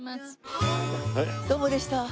どうもでした。